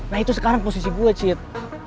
nah itu sekarang posisi gue cit